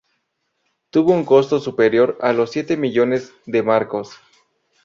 Tuvo un costo superior a los siete millones de marcos.